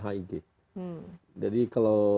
hig jadi kalau